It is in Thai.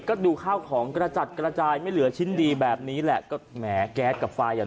ก็ดูข้าวของกระจัดกระจายไม่เหลือชิ้นดีแบบนี้แหละก็แหมแก๊สกับไฟอ่ะ